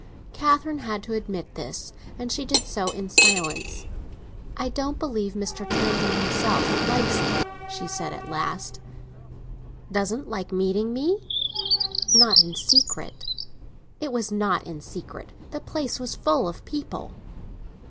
Catherine had to admit this, and she did so in silence. "I don't believe Mr. Townsend himself likes it," she said at last. "Doesn't like meeting me?" "Not in secret." "It was not in secret; the place was full of people."